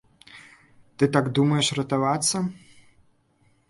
Ты так думаеш ратавацца?